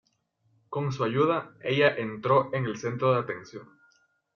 Con su ayuda, ella entró en el centro de atención.